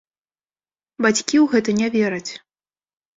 Бацькі ў гэта не вераць.